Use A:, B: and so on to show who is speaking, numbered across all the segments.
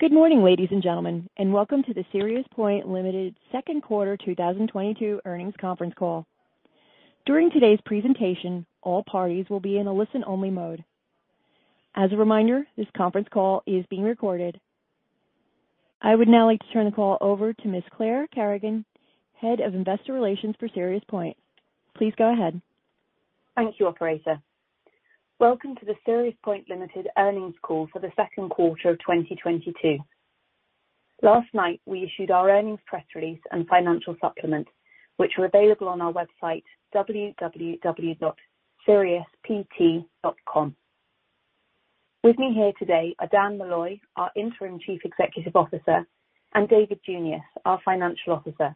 A: Good morning, ladies and gentlemen, and welcome to the SiriusPoint Ltd second quarter 2022 earnings conference call. During today's presentation, all parties will be in a listen-only mode. As a reminder, this conference call is being recorded. I would now like to turn the call over to Ms. Clare Kerrigan, Head of Investor Relations for SiriusPoint. Please go ahead.
B: Thank you, operator. Welcome to the SiriusPoint Ltd earnings call for the second quarter of 2022. Last night, we issued our earnings press release and financial supplement, which are available on our website, www.siriuspt.com. With me here today are Dan Malloy, our Interim Chief Executive Officer, and David Junius, our Chief Financial Officer.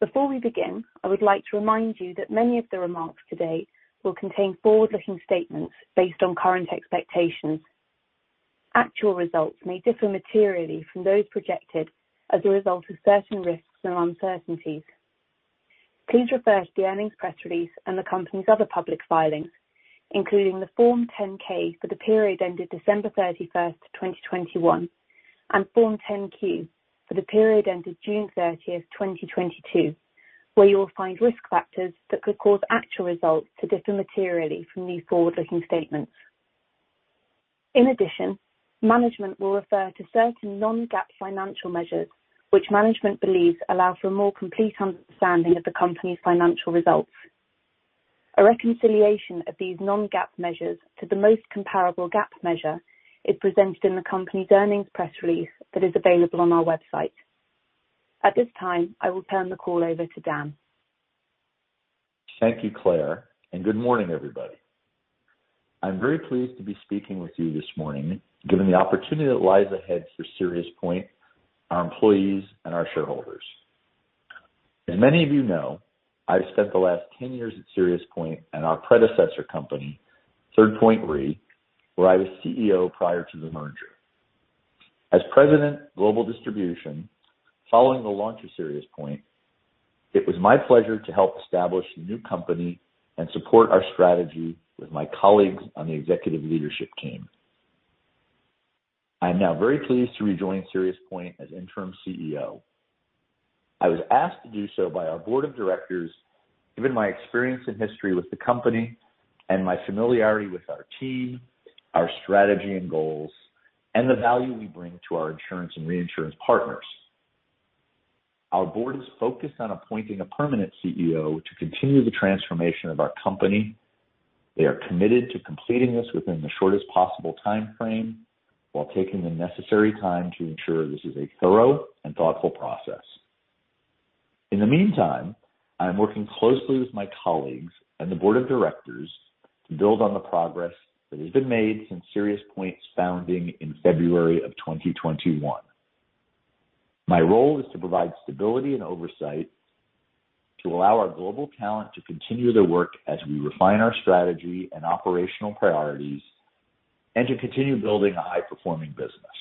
B: Before we begin, I would like to remind you that many of the remarks today will contain forward-looking statements based on current expectations. Actual results may differ materially from those projected as a result of certain risks and uncertainties. Please refer to the earnings press release and the company's other public filings, including the Form 10-K for the period ended December 31st, 2021, and Form 10-Q for the period ended June 30th, 2022, where you will find risk factors that could cause actual results to differ materially from these forward-looking statements. In addition, management will refer to certain non-GAAP financial measures, which management believes allow for a more complete understanding of the company's financial results. A reconciliation of these non-GAAP measures to the most comparable GAAP measure is presented in the company's earnings press release that is available on our website. At this time, I will turn the call over to Dan.
C: Thank you, Clare, and good morning, everybody. I'm very pleased to be speaking with you this morning, given the opportunity that lies ahead for SiriusPoint, our employees, and our shareholders. As many of you know, I've spent the last 10 years at SiriusPoint and our predecessor company, Third Point Re, where I was CEO prior to the merger. As President, Global Distribution, following the launch of SiriusPoint, it was my pleasure to help establish the new company and support our strategy with my colleagues on the executive leadership team. I am now very pleased to rejoin SiriusPoint as Interim CEO. I was asked to do so by our Board of Directors, given my experience and history with the company and my familiarity with our team, our strategy and goals, and the value we bring to our insurance and reinsurance partners. Our Board is focused on appointing a permanent CEO to continue the transformation of our company. They are committed to completing this within the shortest possible timeframe while taking the necessary time to ensure this is a thorough and thoughtful process. In the meantime, I am working closely with my colleagues and the Board of Directors to build on the progress that has been made since SiriusPoint's founding in February of 2021. My role is to provide stability and oversight to allow our global talent to continue their work as we refine our strategy and operational priorities and to continue building a high-performing business.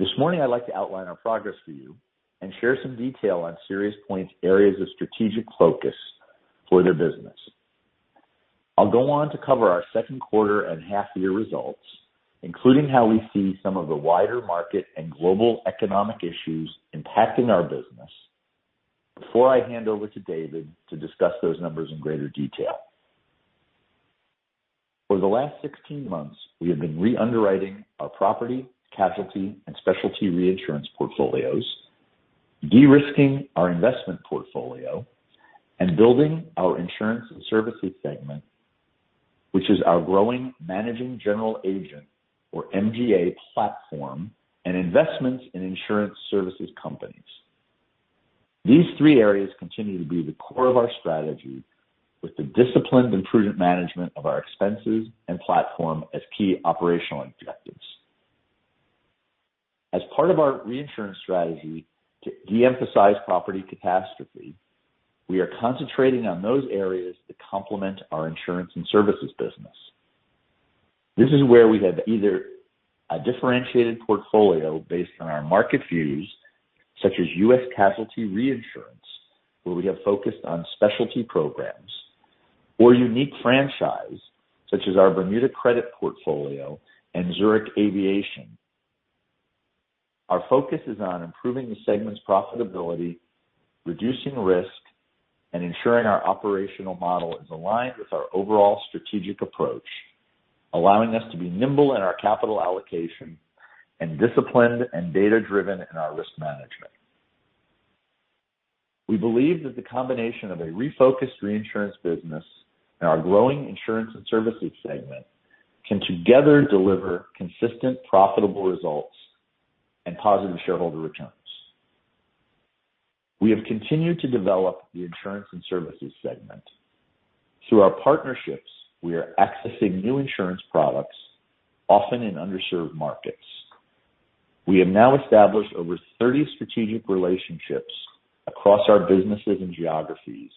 C: This morning, I'd like to outline our progress for you and share some detail on SiriusPoint's areas of strategic focus for their business. I'll go on to cover our second quarter and half-year results, including how we see some of the wider market and global economic issues impacting our business before I hand over to David to discuss those numbers in greater detail. For the last 16 months, we have been re-underwriting our property, casualty, and specialty reinsurance portfolios, de-risking our investment portfolio, and building our insurance and services segment, which is our growing managing general agent or MGA platform and investments in insurance services companies. These three areas continue to be the core of our strategy with the disciplined and prudent management of our expenses and platform as key operational objectives. As part of our reinsurance strategy to de-emphasize property catastrophe, we are concentrating on those areas that complement our insurance and services business. This is where we have either a differentiated portfolio based on our market views, such as U.S. casualty reinsurance, where we have focused on specialty programs or unique franchise, such as our Bermuda credit portfolio and Zurich Aviation. Our focus is on improving the segment's profitability, reducing risk, and ensuring our operational model is aligned with our overall strategic approach, allowing us to be nimble in our capital allocation and disciplined and data-driven in our risk management. We believe that the combination of a refocused reinsurance business and our growing insurance and services segment can together deliver consistent, profitable results and positive shareholder returns. We have continued to develop the insurance and services segment. Through our partnerships, we are accessing new insurance products, often in underserved markets. We have now established over 30 strategic relationships across our businesses and geographies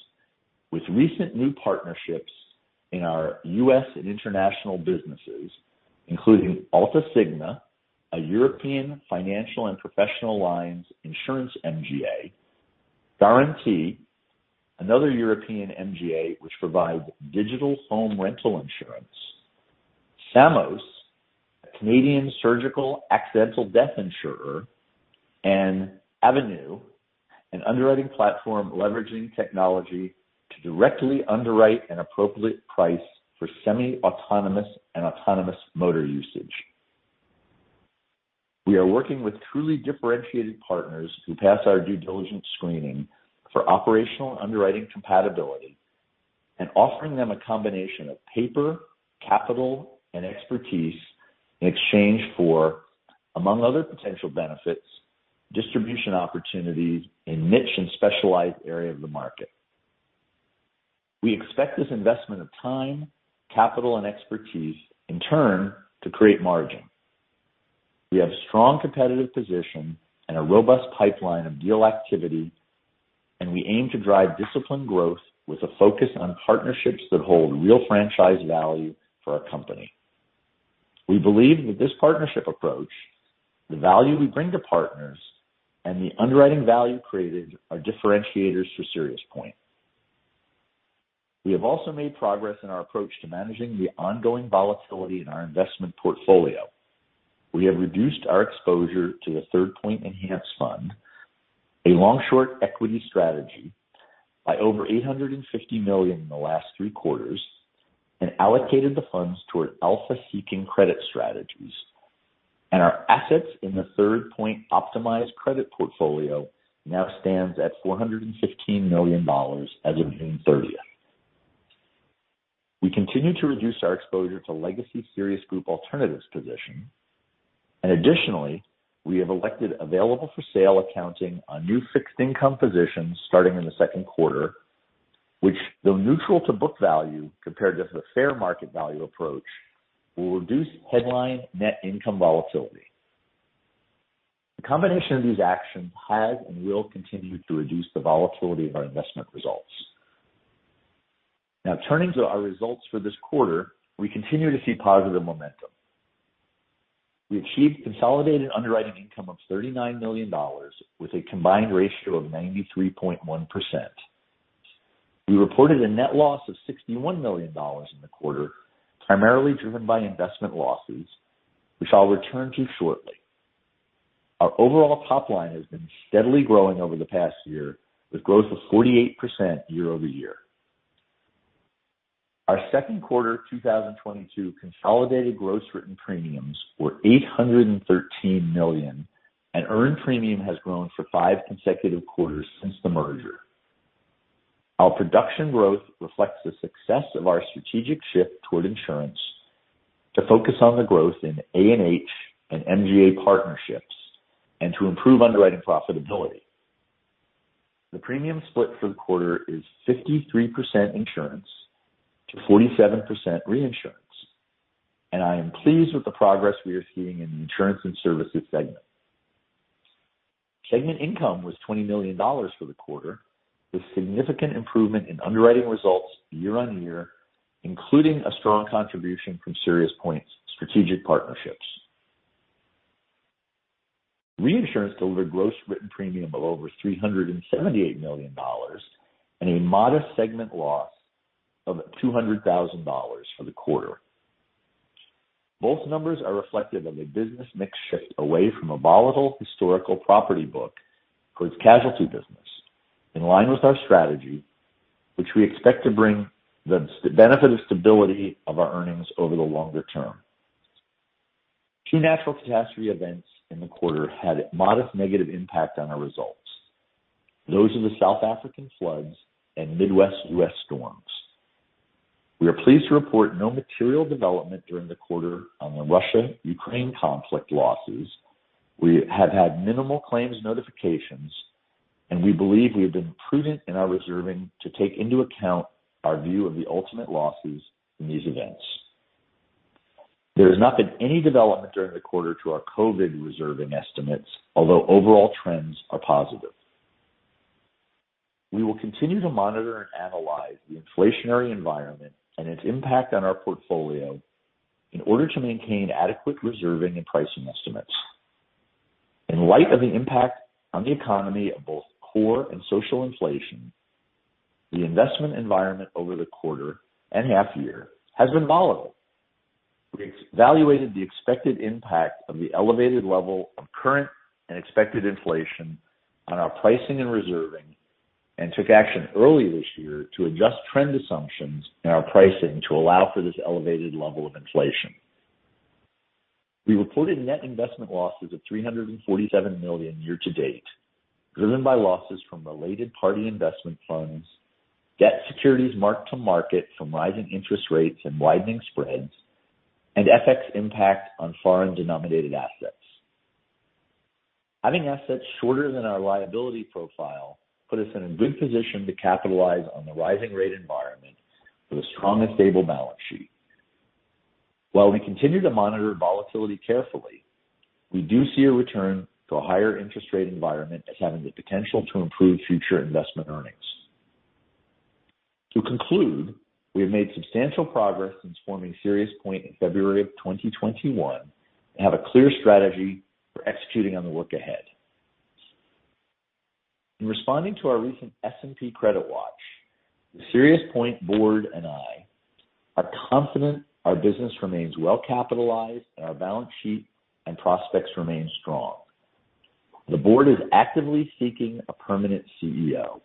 C: with recent new partnerships in our U.S. and international businesses, including Alta Signa, a European financial and professional lines insurance MGA, Garentii, another European MGA which provides digital home rental insurance, Samos, a Canadian surgical accidental death insurer, and Koop, an underwriting platform leveraging technology to directly underwrite an appropriate price for semi-autonomous and autonomous motor usage. We are working with truly differentiated partners who pass our due diligence screening for operational underwriting compatibility and offering them a combination of paper, capital, and expertise in exchange for, among other potential benefits, distribution opportunities in niche and specialized area of the market. We expect this investment of time, capital, and expertise in turn to create margin. We have strong competitive position and a robust pipeline of deal activity, and we aim to drive disciplined growth with a focus on partnerships that hold real franchise value for our company. We believe that this partnership approach, the value we bring to partners, and the underwriting value created are differentiators for SiriusPoint. We have also made progress in our approach to managing the ongoing volatility in our investment portfolio. We have reduced our exposure to the Third Point Enhanced Fund, a long short equity strategy, by over $850 million in the last three quarters, and allocated the funds toward alpha-seeking credit strategies. Our assets in the Third Point Optimized Credit portfolio now stands at $415 million as of June 30th. We continue to reduce our exposure to legacy Sirius Group alternatives position. Additionally, we have elected available for sale accounting on new fixed income positions starting in the second quarter, which, though neutral to book value compared to the fair market value approach, will reduce headline net income volatility. The combination of these actions has and will continue to reduce the volatility of our investment results. Now turning to our results for this quarter, we continue to see positive momentum. We achieved consolidated underwriting income of $39 million with a combined ratio of 93.1%. We reported a net loss of $61 million in the quarter, primarily driven by investment losses, which I'll return to shortly. Our overall top line has been steadily growing over the past year, with growth of 48% year-over-year. Our second quarter 2022 consolidated gross written premiums were $813 million, and earned premium has grown for five consecutive quarters since the merger. Our production growth reflects the success of our strategic shift toward insurance to focus on the growth in A&H and MGA partnerships and to improve underwriting profitability. The premium split for the quarter is 53% insurance to 47% reinsurance, and I am pleased with the progress we are seeing in the insurance and services segment. Segment income was $20 million for the quarter, with significant improvement in underwriting results year-on-year, including a strong contribution from SiriusPoint's strategic partnerships. Reinsurance delivered gross written premium of over $378 million and a modest segment loss of $200,000 for the quarter. Both numbers are reflective of a business mix shift away from a volatile historical property book towards casualty business in line with our strategy, which we expect to bring the benefit of stability of our earnings over the longer term. Two natural catastrophe events in the quarter had a modest negative impact on our results. Those are the South African floods and Midwest U.S. storms. We are pleased to report no material development during the quarter on the Russia-Ukraine conflict losses. We have had minimal claims notifications, and we believe we have been prudent in our reserving to take into account our view of the ultimate losses in these events. There has not been any development during the quarter to our COVID reserving estimates, although overall trends are positive. We will continue to monitor and analyze the inflationary environment and its impact on our portfolio in order to maintain adequate reserving and pricing estimates. In light of the impact on the economy of both core and social inflation, the investment environment over the quarter and half year has been volatile. We evaluated the expected impact of the elevated level of current and expected inflation on our pricing and reserving and took action early this year to adjust trend assumptions in our pricing to allow for this elevated level of inflation. We reported net investment losses of $347 million year to date, driven by losses from related party investment funds, debt securities marked to market from rising interest rates and widening spreads, and FX impact on foreign denominated assets. Having assets shorter than our liability profile put us in a good position to capitalize on the rising rate environment with a strong and stable balance sheet. While we continue to monitor volatility carefully, we do see a return to a higher interest rate environment as having the potential to improve future investment earnings. To conclude, we have made substantial progress since forming SiriusPoint in February 2021 and have a clear strategy for executing on the work ahead. In responding to our recent S&P credit watch, the SiriusPoint Board and I are confident our business remains well capitalized and our balance sheet and prospects remain strong. The Board is actively seeking a permanent CEO.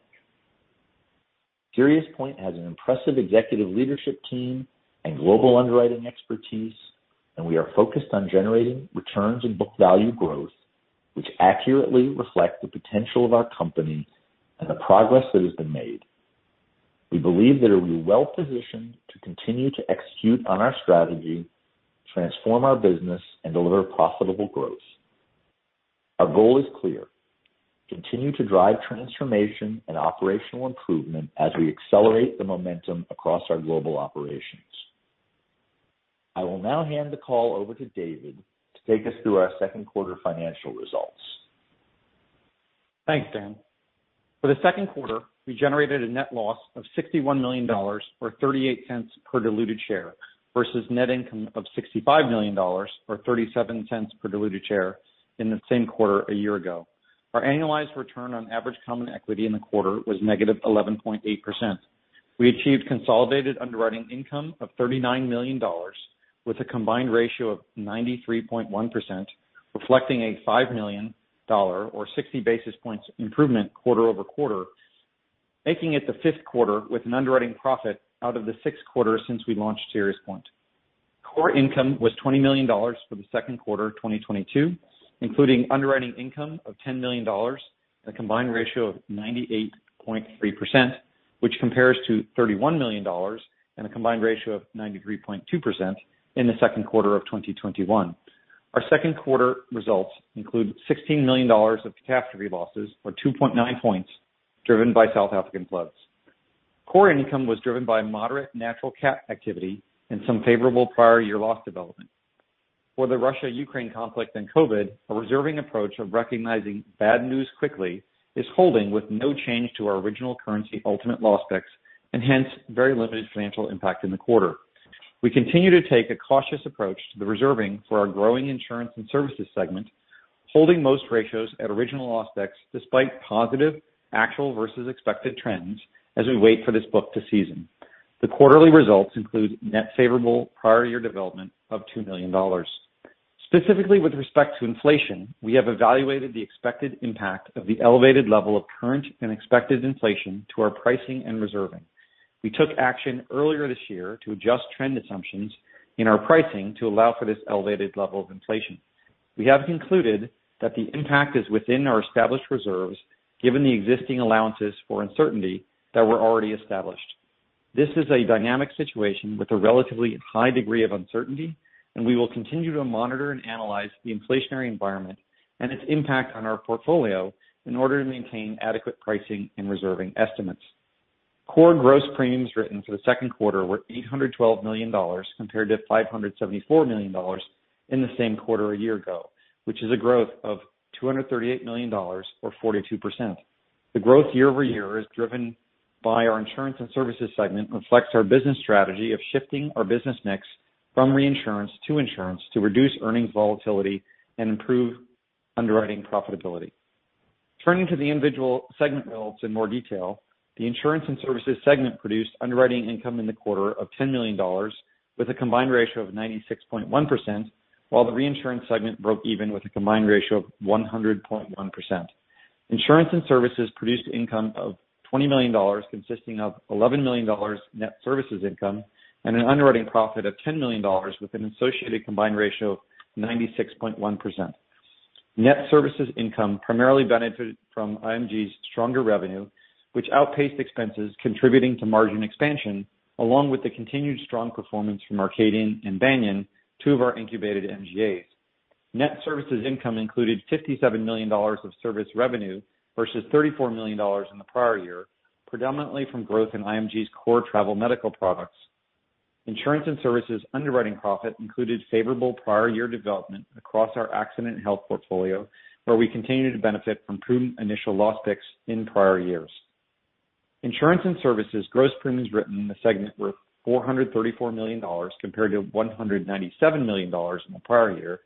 C: SiriusPoint has an impressive executive leadership team and global underwriting expertise, and we are focused on generating returns and book value growth which accurately reflect the potential of our company and the progress that has been made. We believe that we are well positioned to continue to execute on our strategy, transform our business, and deliver profitable growth. Our goal is clear. Continue to drive transformation and operational improvement as we accelerate the momentum across our global operations. I will now hand the call over to David to take us through our second quarter financial results.
D: Thanks, Dan. For the second quarter, we generated a net loss of $61 million, or $0.38 per diluted share, versus net income of $65 million or $0.37 per diluted share in the same quarter a year ago. Our annualized return on average common equity in the quarter was -11.8%. We achieved consolidated underwriting income of $39 million with a combined ratio of 93.1%, reflecting a $5 million or 60 basis points improvement quarter-over-quarter, making it the fifth quarter with an underwriting profit out of the sixth quarter since we launched SiriusPoint. Core income was $20 million for the second quarter of 2022, including underwriting income of $10 million and a combined ratio of 98.3%, which compares to $31 million and a combined ratio of 93.2% in the second quarter of 2021. Our second quarter results include $16 million of catastrophe losses, or 2.9 points, driven by South African floods. Core income was driven by moderate natural cat activity and some favorable prior year loss development. For the Russia-Ukraine conflict and COVID, a reserving approach of recognizing bad news quickly is holding with no change to our original currency ultimate loss picks and hence very limited financial impact in the quarter. We continue to take a cautious approach to the reserving for our growing insurance and services segment, holding most ratios at original loss picks despite positive actual versus expected trends as we wait for this book to season. The quarterly results include net favorable prior year development of $2 million. Specifically with respect to inflation, we have evaluated the expected impact of the elevated level of current and expected inflation to our pricing and reserving. We took action earlier this year to adjust trend assumptions in our pricing to allow for this elevated level of inflation. We have concluded that the impact is within our established reserves, given the existing allowances for uncertainty that were already established. This is a dynamic situation with a relatively high degree of uncertainty, and we will continue to monitor and analyze the inflationary environment and its impact on our portfolio in order to maintain adequate pricing and reserving estimates. Core gross premiums written for the second quarter were $812 million compared to $574 million in the same quarter a year ago, which is a growth of $238 million or 42%. The growth year-over-year is driven by our insurance and services segment, reflects our business strategy of shifting our business mix from reinsurance to insurance to reduce earnings volatility and improve underwriting profitability. Turning to the individual segment results in more detail. The insurance and services segment produced underwriting income in the quarter of $10 million with a combined ratio of 96.1%, while the reinsurance segment broke even with a combined ratio of 100.1%. Insurance and services produced income of $20 million, consisting of $11 million net services income and an underwriting profit of $10 million with an associated combined ratio of 96.1%. Net services income primarily benefited from IMG's stronger revenue, which outpaced expenses contributing to margin expansion, along with the continued strong performance from Arcadian and Banyan, two of our incubated MGAs. Net services income included $57 million of service revenue versus $34 million in the prior year, predominantly from growth in IMG's core travel medical products. Insurance and services underwriting profit included favorable prior year development across our accident and health portfolio, where we continue to benefit from prudent initial loss picks in prior years. Insurance and services gross premiums written in the segment were $434 million compared to $197 million in the prior year,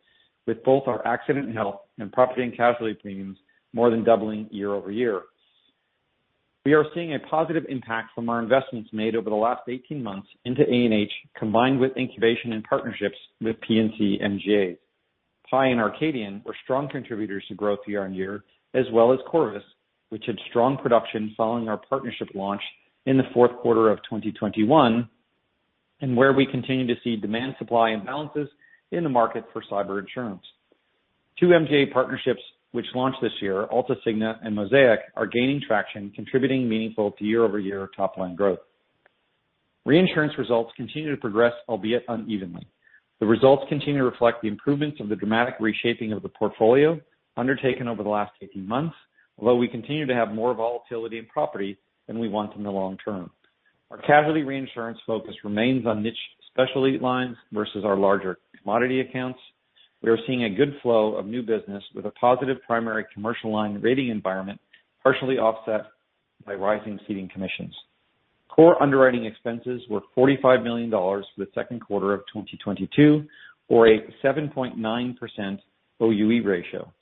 D: with both our accident and health and property and casualty premiums more than doubling year-over-year. We are seeing a positive impact from our investments made over the last 18 months into A&H, combined with incubation and partnerships with P&C MGAs. Pie and Arcadian were strong contributors to growth year-on-year, as well as Corvus, which had strong production following our partnership launch in the fourth quarter of 2021, and where we continue to see demand-supply imbalances in the market for cyber insurance. Two MGA partnerships which launched this year, Alta Signa and Mosaic, are gaining traction, contributing meaningfully to year-over-year top-line growth. Reinsurance results continue to progress, albeit unevenly. The results continue to reflect the improvements of the dramatic reshaping of the portfolio undertaken over the last 18 months, although we continue to have more volatility in property than we want in the long term. Our casualty reinsurance focus remains on niche specialty lines versus our larger commodity accounts. We are seeing a good flow of new business with a positive primary commercial line rating environment, partially offset by rising ceding commissions. Core underwriting expenses were $45 million for the second quarter of 2022, or a 7.9% OUE ratio.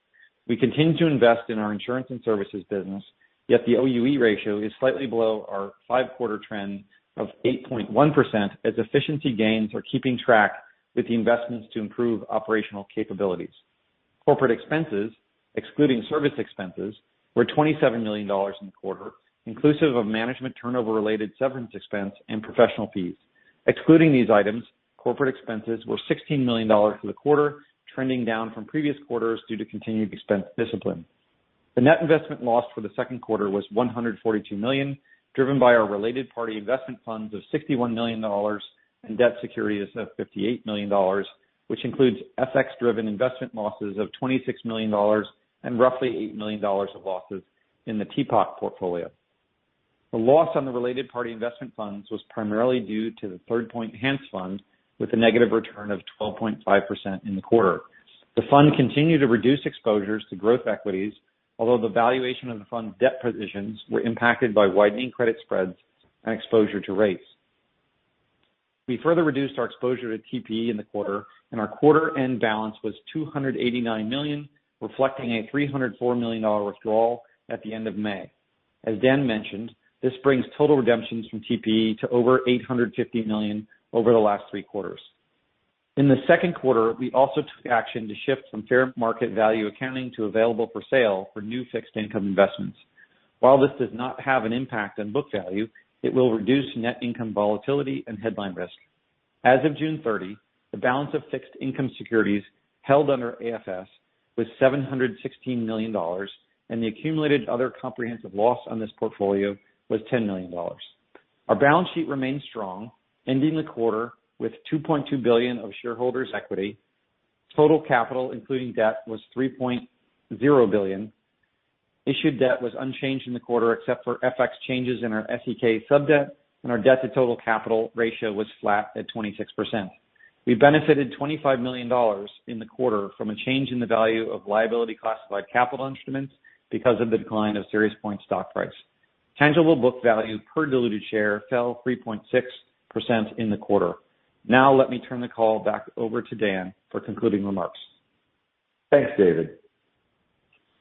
D: We continue to invest in our insurance and services business, yet the OUE ratio is slightly below our five-quarter trend of 8.1% as efficiency gains are keeping pace with the investments to improve operational capabilities. Corporate expenses, excluding service expenses, were $27 million in the quarter, inclusive of management turnover-related severance expense and professional fees. Excluding these items, corporate expenses were $16 million for the quarter, trending down from previous quarters due to continued expense discipline. The net investment loss for the second quarter was $142 million, driven by our related party investment funds of $61 million and debt securities of $58 million, which includes FX-driven investment losses of $26 million and roughly $8 million of losses in the TPOC portfolio. The loss on the related party investment funds was primarily due to the Third Point Enhanced Fund with a negative return of 12.5% in the quarter. The fund continued to reduce exposures to growth equities, although the valuation of the fund debt positions were impacted by widening credit spreads and exposure to rates. We further reduced our exposure to TPE in the quarter, and our quarter-end balance was $289 million, reflecting a $304 million withdrawal at the end of May. As Dan mentioned, this brings total redemptions from TPE to over $850 million over the last three quarters. In the second quarter, we also took action to shift from fair market value accounting to available for sale for new fixed income investments. While this does not have an impact on book value, it will reduce net income volatility and headline risk. As of June 30, the balance of fixed income securities held under AFS was $716 million, and the accumulated other comprehensive loss on this portfolio was $10 million. Our balance sheet remained strong, ending the quarter with $2.2 billion of shareholders' equity. Total capital, including debt, was $3.0 billion. Issued debt was unchanged in the quarter except for FX changes in our SEK sub-debt, and our debt to total capital ratio was flat at 26%. We benefited $25 million in the quarter from a change in the value of liability classified capital instruments because of the decline of SiriusPoint stock price. Tangible book value per diluted share fell 3.6% in the quarter. Now let me turn the call back over to Dan for concluding remarks.
C: Thanks, David.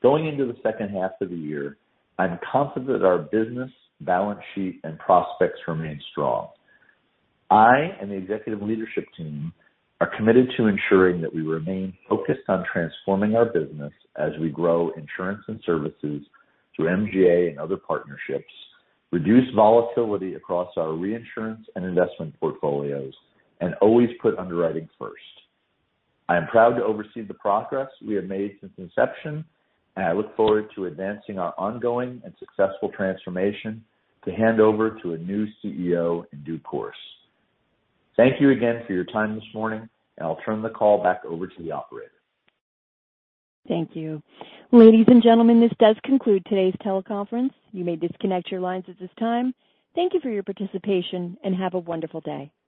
C: Going into the second half of the year, I'm confident our business, balance sheet, and prospects remain strong. I and the executive leadership team are committed to ensuring that we remain focused on transforming our business as we grow insurance and services through MGA and other partnerships, reduce volatility across our reinsurance and investment portfolios, and always put underwriting first. I am proud to oversee the progress we have made since inception, and I look forward to advancing our ongoing and successful transformation to hand over to a new CEO in due course. Thank you again for your time this morning, and I'll turn the call back over to the operator.
A: Thank you. Ladies and gentlemen, this does conclude today's teleconference. You may disconnect your lines at this time. Thank you for your participation, and have a wonderful day.